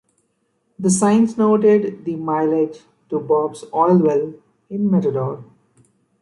The signs noted the mileage to Bob's Oil Well in Matador.